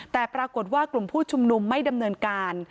แต่ปรากฏว่ากลุ่มผู้ชุมนุมไม่ดำเนินการ